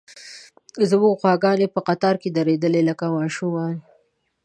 زموږ غواګانې په قطار کې درېدلې، لکه ماشومان.